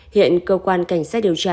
hiện cơ quan cảnh sát điều tra